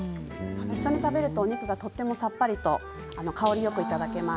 一緒に食べるとお肉がとてもさっぱりと香りよくいただけます。